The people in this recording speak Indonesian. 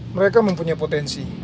mereka mempunyai potensi